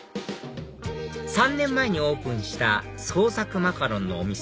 ３年前にオープンした創作マカロンのお店